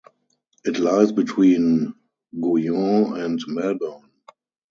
It lies between Guion and Melbourne.